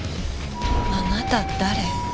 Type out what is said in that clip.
あなた誰？